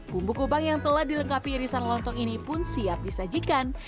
bumbu kubang yang telah dilengkapi irisan lontong ini pun siap disajikan